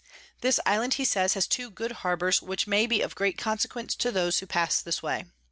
This Island, he says, has two good Harbours, which may be of great consequence to those who pass this way.